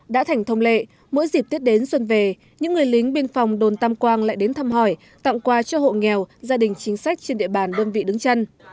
đã thành thông lệ mỗi dịp tết đến xuân về những người lính biên phòng đồn tam quang lại đến thăm hỏi tặng quà cho hộ nghèo gia đình chính sách trên địa bàn đơn vị đứng chân